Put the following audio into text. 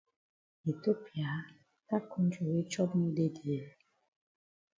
Ethiopia! Dat kontri wey chop no dey dey?